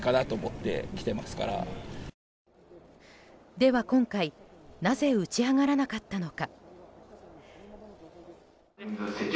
では、今回なぜ打ち上がらなかったのか。